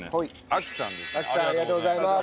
あきさんありがとうございます。